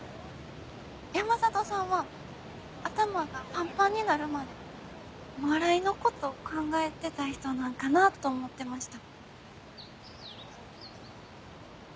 山里さんは頭がパンパンになるまでお笑いのこと考えてたい人なんかなぁと思ってました。